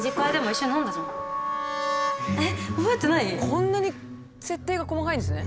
こんなに設定が細かいんですね。